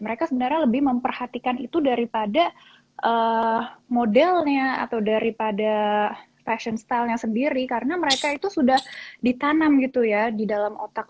mereka sebenarnya lebih memperhatikan itu daripada modelnya atau daripada fashion style nya sendiri karena mereka itu sudah ditanam gitu ya di dalam otak